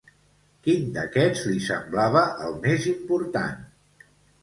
Quin d'aquests li semblava el més important?